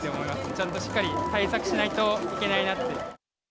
ちゃんとしっかり対策しないといけないなって。